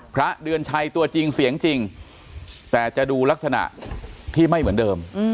พระเดือนชัยตัวจริงเสียงจริงแต่จะดูลักษณะที่ไม่เหมือนเดิม